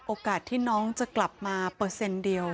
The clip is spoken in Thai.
โอกาสที่น้องจะกลับมาเปอร์เซ็นต์เดียว